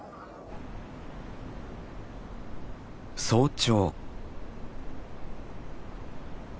早朝。